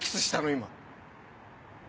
今。